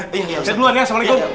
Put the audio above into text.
sobri duluan ya assalamualaikum